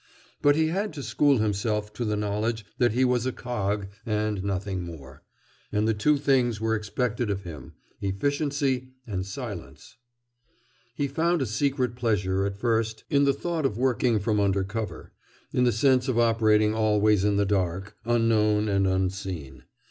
But he had to school himself to the knowledge that he was a cog, and nothing more. And two things were expected of him, efficiency and silence. He found a secret pleasure, at first, in the thought of working from under cover, in the sense of operating always in the dark, unknown and unseen.